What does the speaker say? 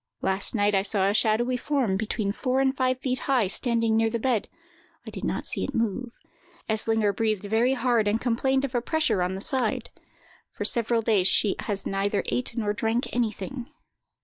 Last night I saw a shadowy form, between four and five feet high, standing near the bed; I did not see it move. Eslinger breathed very hard, and complained of a pressure on the side. For several days she has neither ate nor drank anything.